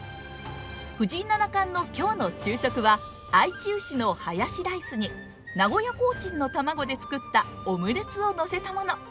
藤井七冠の今日の昼食はあいち牛のハヤシライスに名古屋コーチンの卵で作ったオムレツをのせたもの。